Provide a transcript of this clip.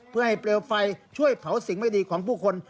เพื่อให้เปลวไฟช่วยเผาสิ่งไม่ดีของผู้คน